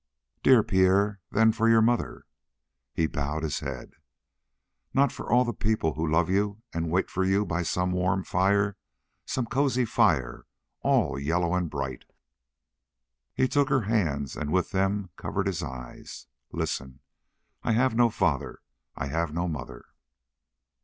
"Dear Pierre, then for your mother?" He bowed his head. "Not for all the people who love you and wait for you now by some warm fire some cozy fire, all yellow and bright?" He took her hands and with them covered his eyes. "Listen: I have no father; I have no mother."